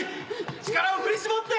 力を振り絞って！